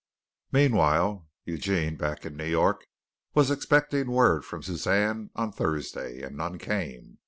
Meanwhile, Eugene back in New York was expecting word from Suzanne on Thursday, and none came.